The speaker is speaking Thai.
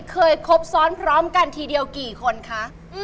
ครบซ้อนพร้อมกันทีเดียวกี่คนคะ